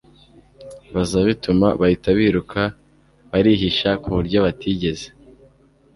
baza bituma bahita biruka barihisha kuburyo batigeze